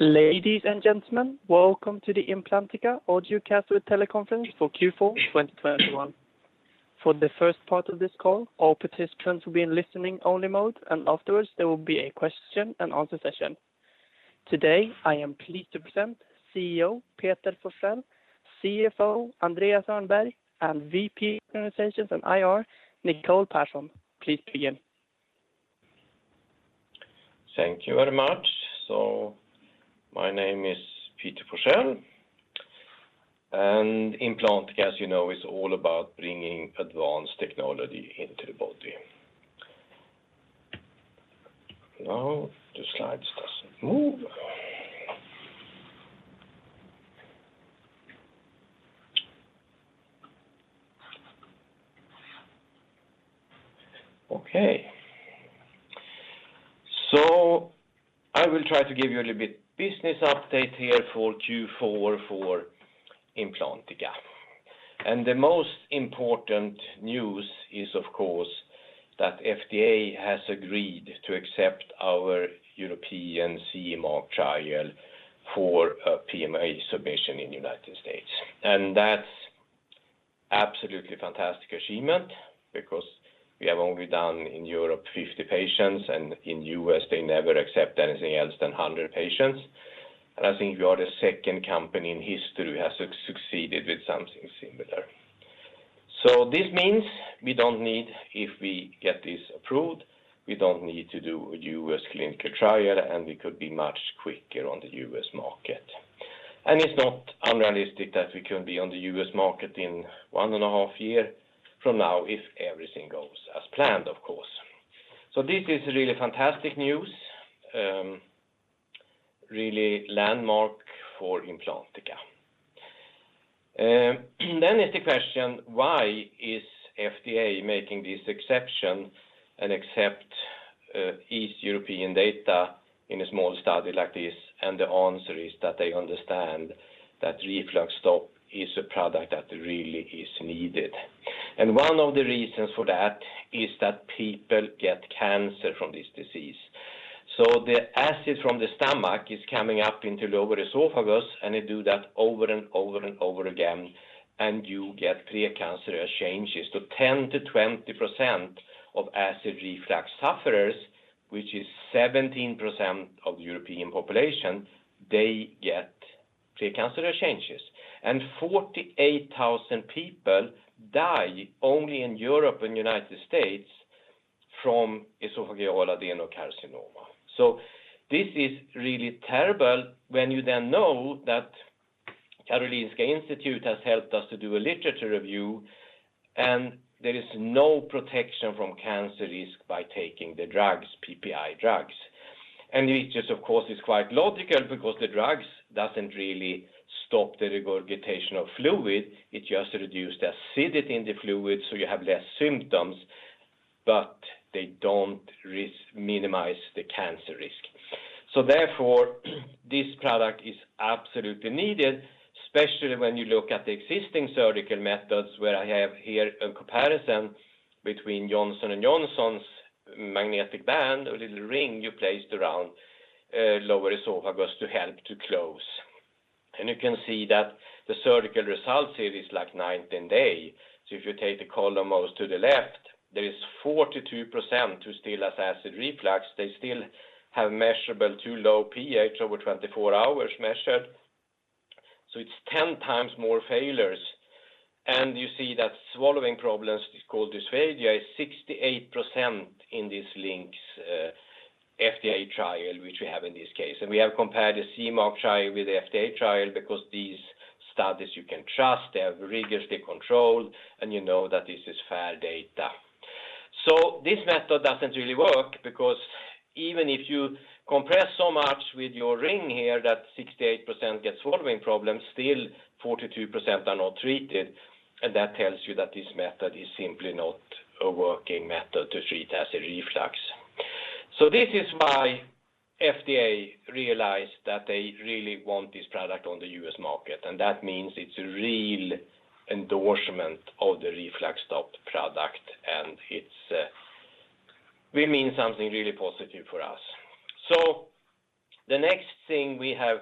Ladies and gentlemen, welcome to the Implantica Audiocast Teleconference for Q4 2021. For the first part of this call, all participants will be in listening only mode, and afterwards there will be a question-and-answer session. Today, I am pleased to present CEO Peter Forsell, CFO Andreas Öhrnberg, and VP Operations and IR Nicole Pehrsson. Please begin. Thank you very much. My name is Peter Forsell, and Implantica, as you know, is all about bringing advanced technology into the body. Now the slides doesn't move. Okay. I will try to give you a little bit business update here for Q4 for Implantica. The most important news is of course that FDA has agreed to accept our European CE mark trial for PMA submission in United States. That's absolutely fantastic achievement because we have only done in Europe 50 patients, and in U.S. they never accept anything else than 100 patients. I think we are the second company in history who has succeeded with something similar. This means we don't need, if we get this approved, we don't need to do a U.S. clinical trial, and we could be much quicker on the U.S. market. It's not unrealistic that we can be on the U.S. market in 1.5 years from now if everything goes as planned, of course. This is really fantastic news, really landmark for Implantica. The question is, why is FDA making this exception and accept the European data in a small study like this? The answer is that they understand that RefluxStop is a product that really is needed. One of the reasons for that is that people get cancer from this disease. The acid from the stomach is coming up into lower esophagus, and it do that over and over and over again, and you get precancerous changes to 10%-20% of acid reflux sufferers, which is 17% of European population, they get precancerous changes. 48,000 people die only in Europe and United States from esophageal adenocarcinoma. This is really terrible when you then know that Karolinska Institutet has helped us to do a literature review, and there is no protection from cancer risk by taking the drugs, PPI drugs. It just, of course, is quite logical because the drugs doesn't really stop the regurgitation of fluid. It just reduce the acidity in the fluid, so you have less symptoms, but they don't minimize the cancer risk. Therefore, this product is absolutely needed, especially when you look at the existing surgical methods, where I have here a comparison between Johnson & Johnson's magnetic band or little ring you placed around lower esophagus to help to close. You can see that the surgical results here is like night and day. If you take the column most to the left, there is 42% who still has acid reflux. They still have measurable too low pH over 24 hours measured. It's 10x more failures. You see that swallowing problems, it's called dysphagia, is 68% in this LINX FDA trial, which we have in this case. We have compared the CE mark trial with the FDA trial because these studies you can trust. They are rigorously controlled, and you know that this is fair data. This method doesn't really work because even if you compress so much with your ring here that 68% get swallowing problems, still 42% are not treated. That tells you that this method is simply not a working method to treat acid reflux. This is why FDA realized that they really want this product on the U.S. market, and that means it's a real endorsement of the RefluxStop product. It will mean something really positive for us. The next thing we have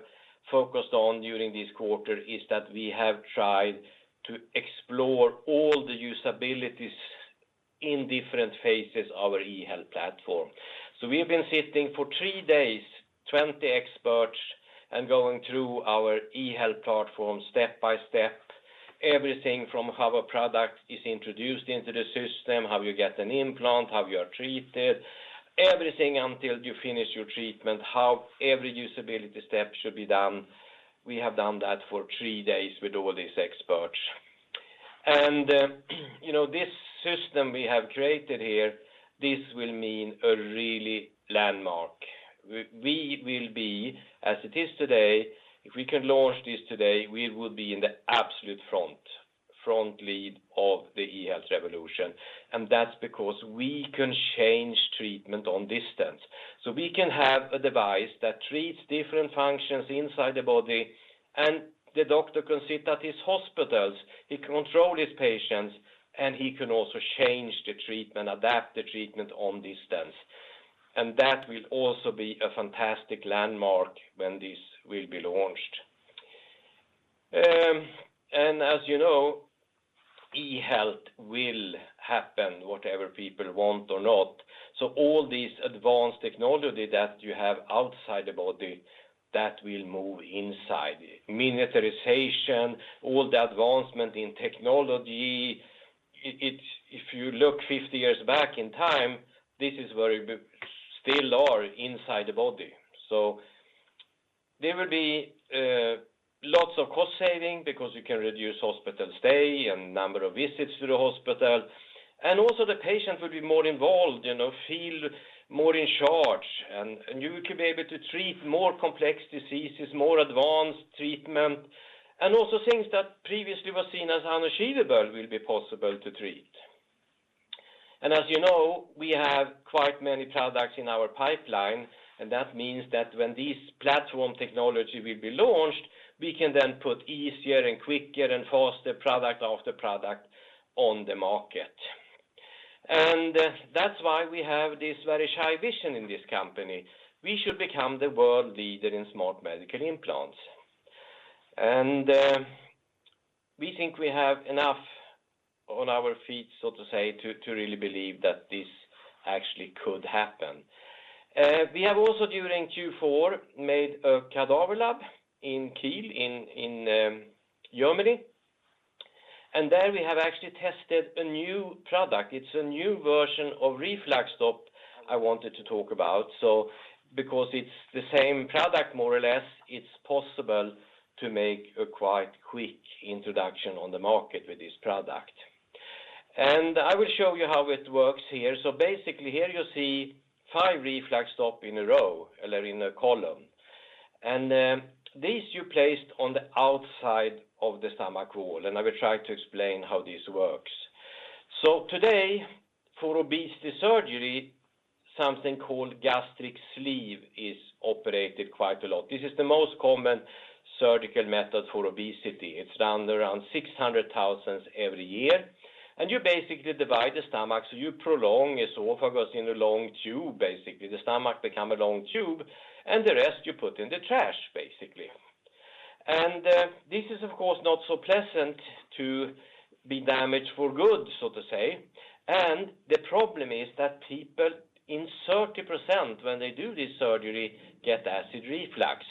focused on during this quarter is that we have tried to explore all the usabilities in different phases of our eHealth platform. We have been sitting for three days, 20 experts, and going through our eHealth platform step by step. Everything from how a product is introduced into the system, how you get an implant, how you are treated, everything until you finish your treatment, how every usability step should be done. We have done that for three days with all these experts. You know, this system we have created here, this will mean a real landmark. We will be, as it is today, if we can launch this today, we will be in the absolute front lead of the e-health revolution. That's because we can change treatment on distance. We can have a device that treats different functions inside the body, and the doctor can sit at his hospitals, he control his patients, and he can also change the treatment, adapt the treatment on distance. That will also be a fantastic landmark when this will be launched. As you know, e-health will happen whatever people want or not. All these advanced technology that you have outside the body, that will move inside. Miniaturization, all the advancement in technology. If you look 50 years back in time, this is where we still are inside the body. There will be lots of cost saving because you can reduce hospital stay and number of visits to the hospital. Also the patient will be more involved, you know, feel more in charge, and you can be able to treat more complex diseases, more advanced treatment, and also things that previously were seen as unachievable will be possible to treat. As you know, we have quite many products in our pipeline, and that means that when this platform technology will be launched, we can then put easier and quicker and faster product after product on the market. That's why we have this very high vision in this company. We should become the world leader in smart medical implants. We think we have enough on our feet, so to say, to really believe that this actually could happen. We have also during Q4 made a cadaver lab in Kiel, Germany. There we have actually tested a new product. It's a new version of RefluxStop I wanted to talk about. Because it's the same product more or less, it's possible to make a quite quick introduction on the market with this product. I will show you how it works here. Basically, here you see five RefluxStop in a row or in a column. These you placed on the outside of the stomach wall. I will try to explain how this works. Today, for obesity surgery, something called gastric sleeve is operated quite a lot. This is the most common surgical method for obesity. It's done around 600,000 every year. You basically divide the stomach. You prolong esophagus in a long tube, basically. The stomach become a long tube, and the rest you put in the trash, basically. This is of course not so pleasant to be damaged for good, so to say. The problem is that 30% of people, when they do this surgery, get acid reflux.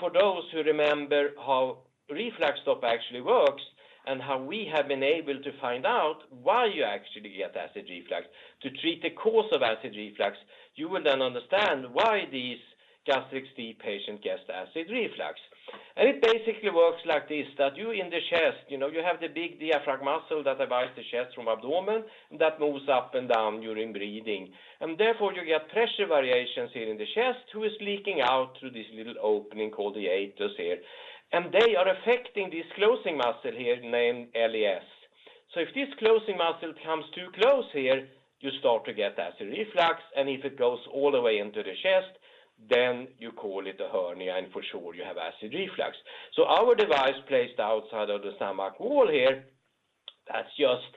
For those who remember how RefluxStop actually works and how we have been able to find out why you actually get acid reflux, to treat the cause of acid reflux, you will then understand why these gastric sleeve patient gets acid reflux. It basically works like this, that you in the chest, you know, you have the big diaphragm muscle that divides the chest from abdomen, that moves up and down during breathing. Therefore, you get pressure variations here in the chest who is leaking out through this little opening called the hiatus here. They are affecting this closing muscle here named LES. If this closing muscle comes too close here, you start to get acid reflux. If it goes all the way into the chest, then you call it a hernia, and for sure, you have acid reflux. Our device placed outside of the stomach wall here, that's just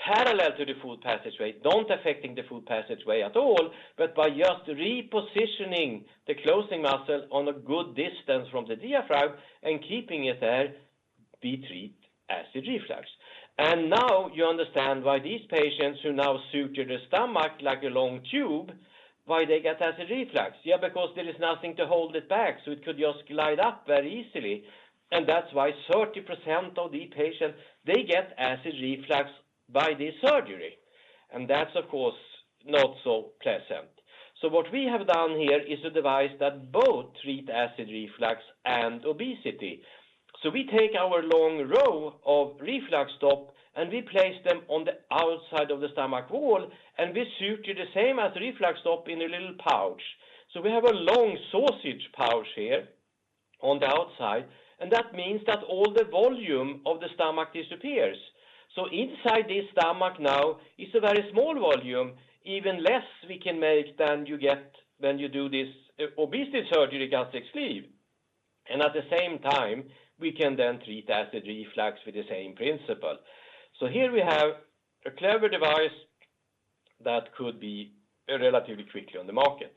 parallel to the food passage way, don't affecting the food passage way at all, but by just repositioning the closing muscle on a good distance from the diaphragm and keeping it there, we treat acid reflux. Now you understand why these patients who now sutured the stomach like a long tube, why they get acid reflux. Yeah, because there is nothing to hold it back, so it could just glide up very easily. That's why 30% of the patients, they get acid reflux by this surgery. That's, of course, not so pleasant. What we have done here is a device that both treat acid reflux and obesity. We take our long row of RefluxStop and we place them on the outside of the stomach wall, and we suture the same as RefluxStop in a little pouch. We have a long sausage pouch here on the outside, and that means that all the volume of the stomach disappears. Inside this stomach now is a very small volume, even less we can make than you get when you do this, obesity surgery, gastric sleeve. At the same time, we can then treat acid reflux with the same principle. Here we have a clever device that could be, relatively quickly on the market.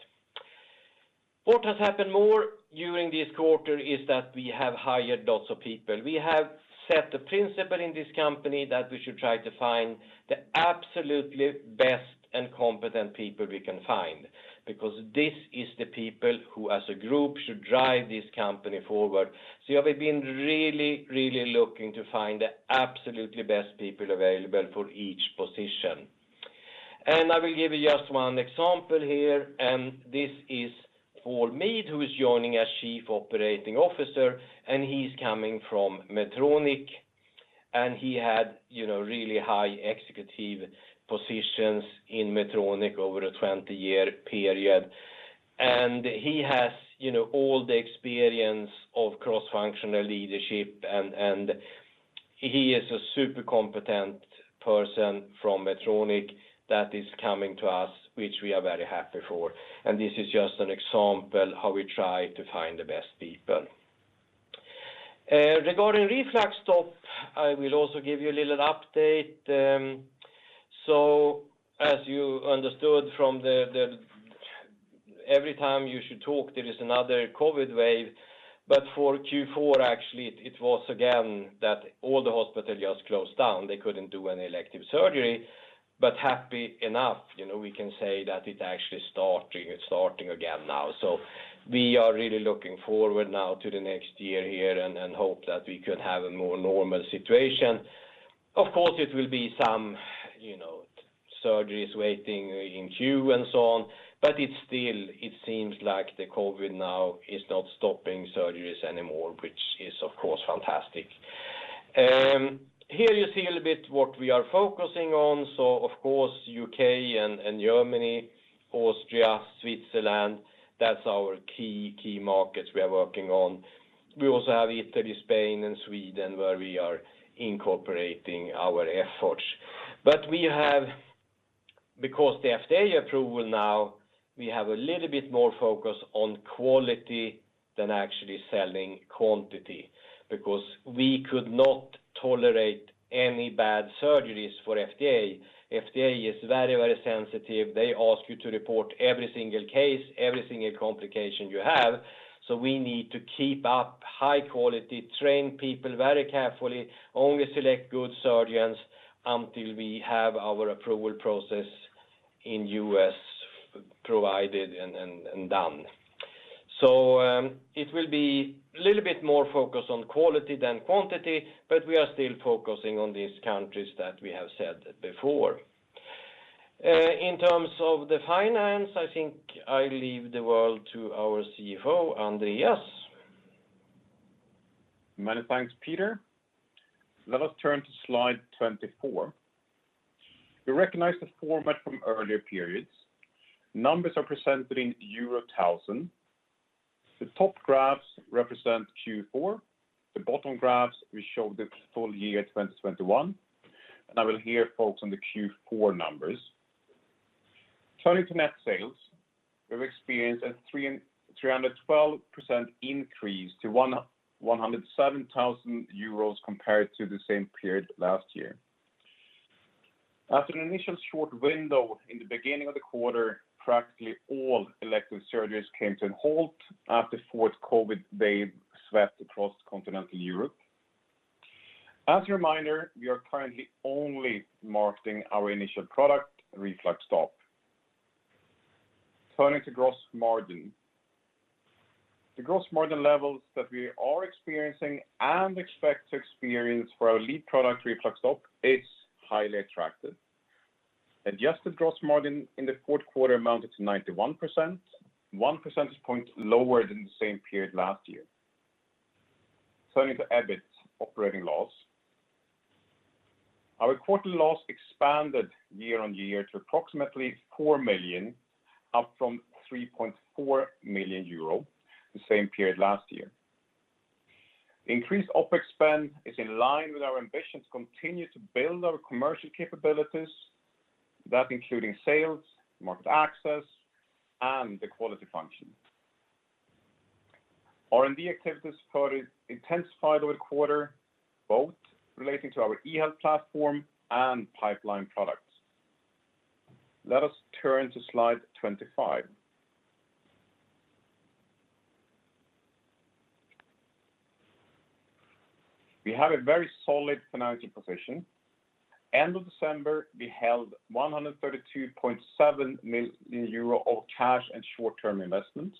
What has happened more during this quarter is that we have hired lots of people. We have set the principle in this company that we should try to find the absolutely best and competent people we can find because this is the people who as a group should drive this company forward. We have been really, really looking to find the absolutely best people available for each position. I will give you just one example here, and this is Paul Mead, who is joining as Chief Operating Officer, and he's coming from Medtronic. He had, you know, really high executive positions in Medtronic over a 20-year period. He has, you know, all the experience of cross-functional leadership and he is a super competent person from Medtronic that is coming to us, which we are very happy for. This is just an example how we try to find the best people. Regarding RefluxStop, I will also give you a little update. As understood from the, every time we talk, there is another COVID wave. But for Q4, actually, it was again that all the hospitals just closed down. They couldn't do any elective surgery, but happily enough, you know, we can say that it is actually starting again now. We are really looking forward now to the next year here and hope that we could have a more normal situation. Of course, it will be some, you know, surgeries waiting in queue and so on, but it still seems like the COVID now is not stopping surgeries anymore, which is, of course, fantastic. Here you see a little bit what we are focusing on. Of course, U.K. and Germany, Austria, Switzerland, that's our key markets we are working on. We also have Italy, Spain, and Sweden, where we are incorporating our efforts. We have, because the FDA approval now, a little bit more focus on quality than actually selling quantity because we could not tolerate any bad surgeries for FDA. FDA is very, very sensitive. They ask you to report every single case, every single complication you have. We need to keep up high quality, train people very carefully, only select good surgeons until we have our approval process in U.S. provided and done. It will be a little bit more focused on quality than quantity, but we are still focusing on these countries that we have said before. In terms of the finance, I think I leave the word to our CFO, Andreas. Many thanks, Peter. Let us turn to slide 24. We recognize the format from earlier periods. Numbers are presented in euro thousands. The top graphs represent Q4. The bottom graphs will show the full year 2021, and I will here focus on the Q4 numbers. Turning to net sales, we've experienced a 312% increase to 107,000 euros compared to the same period last year. After an initial short window in the beginning of the quarter, practically all elective surgeries came to a halt after fourth COVID wave swept across continental Europe. As a reminder, we are currently only marketing our initial product, RefluxStop. Turning to gross margin. The gross margin levels that we are experiencing and expect to experience for our lead product, RefluxStop, is highly attractive. Adjusted gross margin in the fourth quarter amounted to 91%, one percentage point lower than the same period last year. Turning to EBIT operating loss. Our quarterly loss expanded year-on-year to approximately 4 million, up from 3.4 million euro the same period last year. Increased OpEx spend is in line with our ambition to continue to build our commercial capabilities, that including sales, market access, and the quality function. R&D activities further intensified over the quarter, both relating to our eHealth platform and pipeline products. Let us turn to slide 25. We have a very solid financial position. End of December, we held 132.7 million euro of cash and short-term investments.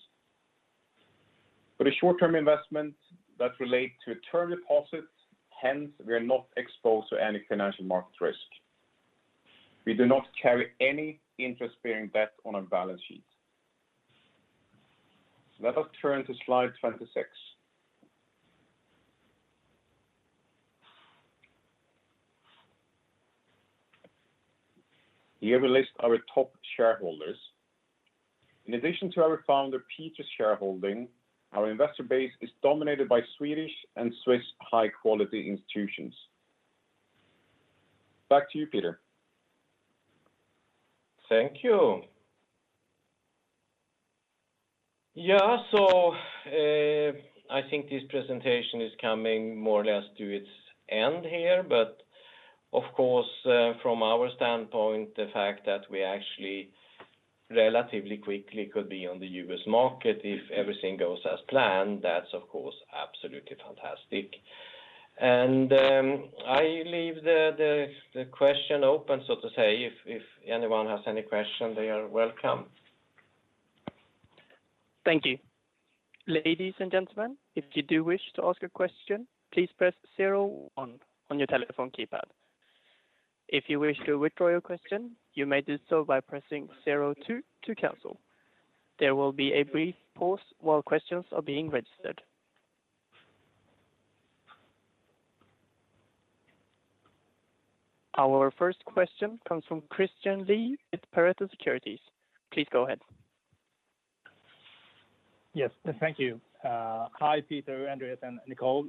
For the short-term investments that relate to term deposits, hence, we are not exposed to any financial market risk. We do not carry any interest-bearing debt on our balance sheet. Let us turn to slide 26. Here we list our top shareholders. In addition to our founder, Peter's shareholding, our investor base is dominated by Swedish and Swiss high-quality institutions. Back to you, Peter. Thank you. Yeah, I think this presentation is coming more or less to its end here. Of course, from our standpoint, the fact that we actually relatively quickly could be on the U.S. market if everything goes as planned, that's of course absolutely fantastic. I leave the question open, so to say, if anyone has any question, they are welcome. Thank you. Ladies and gentlemen, if you do wish to ask a question, please press zero on your telephone keypad. If you wish to withdraw your question, you may do so by pressing zero two to cancel. There will be a brief pause while questions are being registered. Our first question comes from Christian Lee with Pareto Securities. Please go ahead. Yes. Thank you. Hi, Peter, Andreas, and Nicole.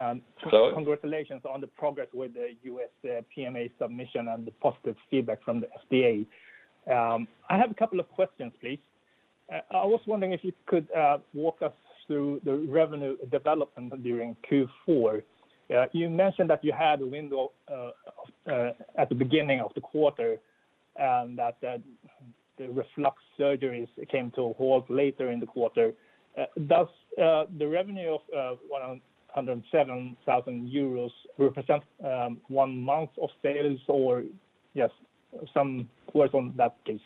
Hello Congratulations on the progress with the U.S. PMA submission and the positive feedback from the FDA. I have a couple of questions, please. I was wondering if you could walk us through the revenue development during Q4. You mentioned that you had a window at the beginning of the quarter and that the reflux surgeries came to a halt later in the quarter. Does the revenue of 107,000 euros represent one month of sales or just some words on that, please.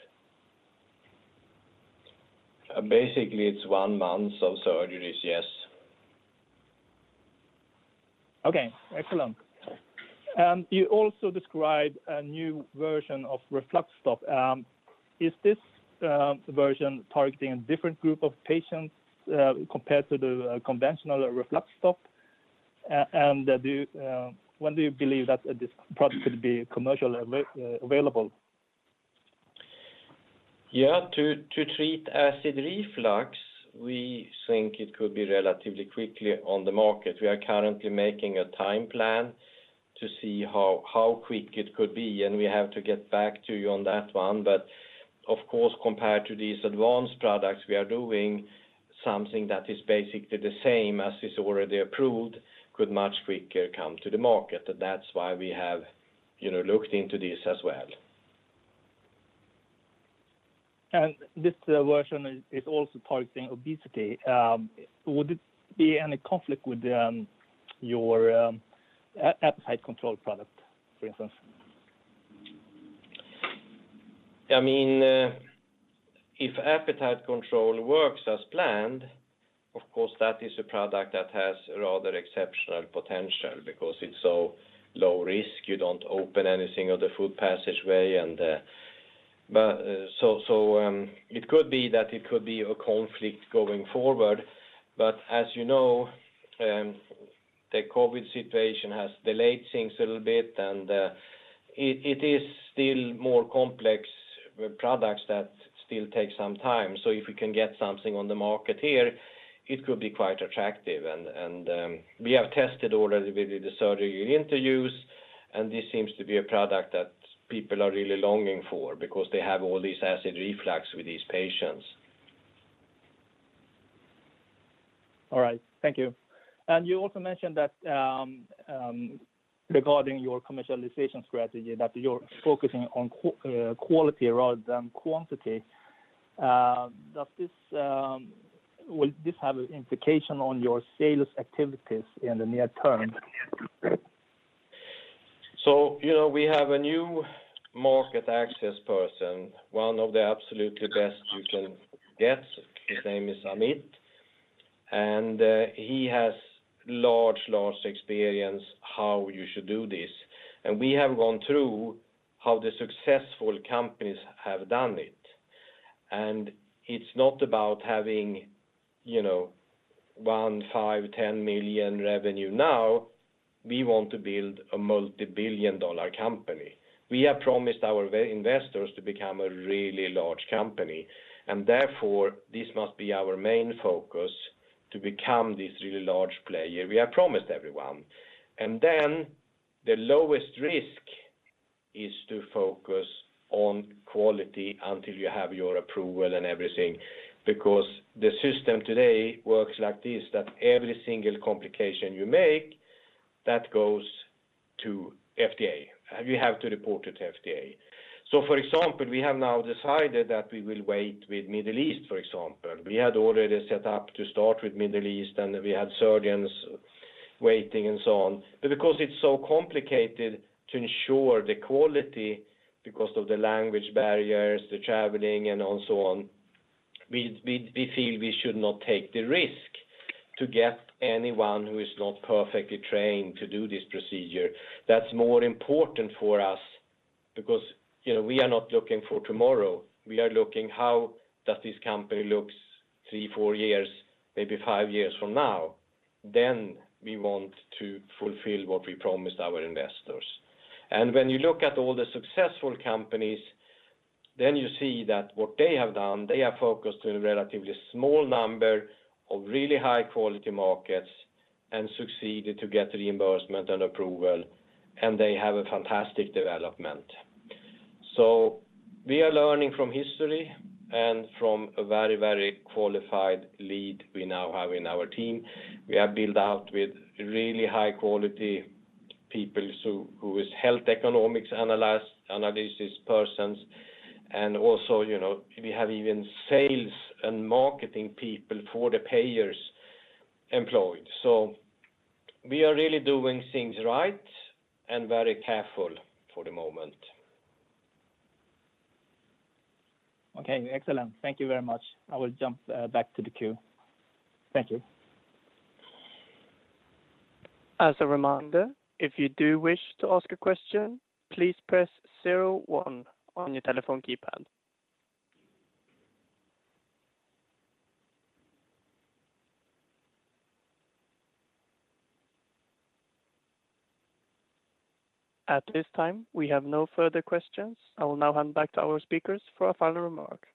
Basically it's one month of surgeries, yes. Okay. Excellent. You also described a new version of RefluxStop. Is this version targeting a different group of patients compared to the conventional RefluxStop? When do you believe that this product could be commercially available? Yeah. To treat acid reflux, we think it could be relatively quickly on the market. We are currently making a time plan to see how quick it could be, and we have to get back to you on that one. But of course, compared to these advanced products, we are doing something that is basically the same as is already approved could much quicker come to the market. That's why we have, you know, looked into this as well. This version is also targeting obesity. Would it be any conflict with your AppetiteControl product, for instance? I mean, if AppetiteControl works as planned, of course, that is a product that has rather exceptional potential because it's so low risk. You don't open anything of the food passageway and it could be a conflict going forward. As you know, the COVID situation has delayed things a little bit and it is still more complex with products that still take some time. If we can get something on the market here, it could be quite attractive. We have tested already with the surgery interviews, and this seems to be a product that people are really longing for because they have all this acid reflux with these patients. All right. Thank you. You also mentioned that, regarding your commercialization strategy, that you're focusing on quality rather than quantity. Will this have an implication on your sales activities in the near term? You know, we have a new market access person, one of the absolutely best you can get. His name is Amit, and he has large experience how you should do this. We have gone through how the successful companies have done it. It's not about having, you know, 1 million, 5 million, 10 million revenue now. We want to build a multi-billion dollar company. We have promised our venture investors to become a really large company, and therefore this must be our main focus to become this really large player we have promised everyone. The lowest risk is to focus on quality until you have your approval and everything. Because the system today works like this, that every single complication you make, that goes to FDA. You have to report it to FDA. For example, we have now decided that we will wait with Middle East, for example. We had already set up to start with Middle East, and we had surgeons waiting and so on. Because it's so complicated to ensure the quality because of the language barriers, the traveling and so on, we feel we should not take the risk to get anyone who is not perfectly trained to do this procedure. That's more important for us because, you know, we are not looking for tomorrow. We are looking how does this company looks three, four years, maybe five years from now, then we want to fulfill what we promised our investors. When you look at all the successful companies, then you see that what they have done, they are focused on a relatively small number of really high quality markets and succeeded to get reimbursement and approval, and they have a fantastic development. We are learning from history and from a very, very qualified lead we now have in our team. We are built out with really high quality people who are health economics analysis persons. Also, you know, we have even sales and marketing people for the payers employed. We are really doing things right and very careful for the moment. Okay. Excellent. Thank you very much. I will jump back to the queue. Thank you. As a reminder, if you do wish to ask a question, please press zero one on your telephone keypad. At this time, we have no further questions. I will now hand back to our speakers for a final remark.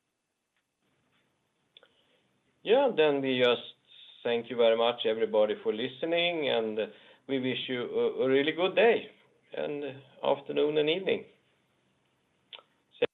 Yeah. We just thank you very much everybody for listening, and we wish you a really good day and afternoon and evening. See you.